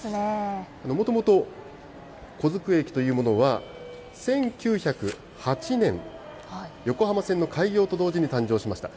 もともと小机駅というものは、１９０８年、横浜線の開業と同時に誕生しました。